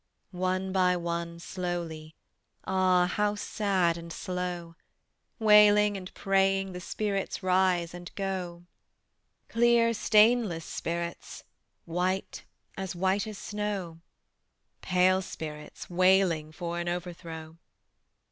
One by one slowly, Ah, how sad and slow! Wailing and praying The spirits rise and go: Clear stainless spirits, White, as white as snow; Pale spirits, wailing For an overthrow.